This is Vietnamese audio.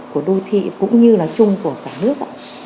của đô thị cũng như nói chung của cả nước